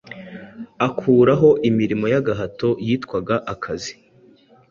akuraho imirimo y’agahato yitwaga akazi,